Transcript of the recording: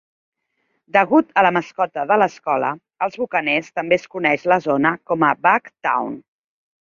Degut a la mascota de l"escola, els bucaners, també es coneix la zona com a "Buc-town".